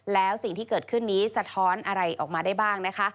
แล้วสิ่งที่เกิดขึ้นนี้สะท้อนอะไรออกมาได้บ้างนะคะ